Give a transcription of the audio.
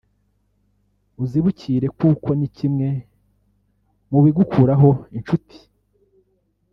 ubizibukire kuko ni kimwe mu bigukuraho inshuti